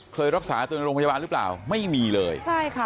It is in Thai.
รักษาตัวในโรงพยาบาลหรือเปล่าไม่มีเลยใช่ค่ะ